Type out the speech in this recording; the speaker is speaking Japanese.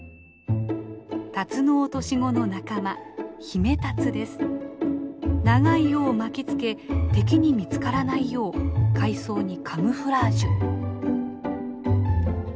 タツノオトシゴの仲間長い尾を巻きつけ敵に見つからないよう海藻にカムフラージュ。